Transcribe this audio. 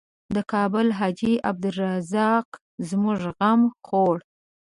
د کابل حاجي عبدالرزاق زموږ غم خوړ.